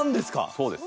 そうです。